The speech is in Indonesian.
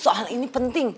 soal ini penting